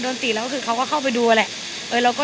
โดนติดแล้วคือเขาก็เข้าไปดูแหละ